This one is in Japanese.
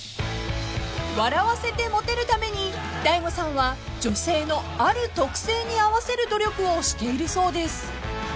［笑わせてモテるために大悟さんは女性のある特性に合わせる努力をしているそうです］